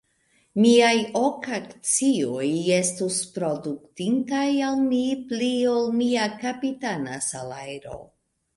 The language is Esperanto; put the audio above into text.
Miaj ok akcioj estos produktintaj al mi pli ol mia kapitana salajro.